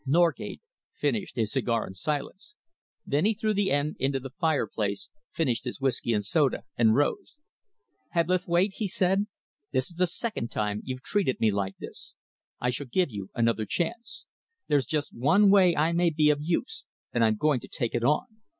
Norgate finished his cigar in silence. Then he threw the end into the fireplace, finished his whisky and soda, and rose. "Hebblethwaite," he said, "this is the second time you've treated me like this. I shall give you another chance. There's just one way I may be of use, and I am going to take it on.